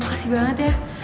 makasih banget ya